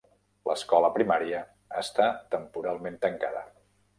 L'escola primària està temporalment tancada.